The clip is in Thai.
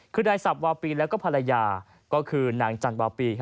คือนายสับวาปีแล้วก็ภรรยาก็คือนางจันวาปี